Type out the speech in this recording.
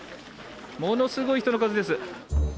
ものすごい人の数です。